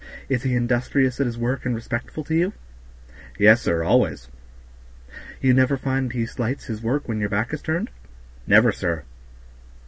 "Is he industrious at his work and respectful to you?" "Yes, sir, always." "You never find he slights his work when your back is turned?" "Never, sir."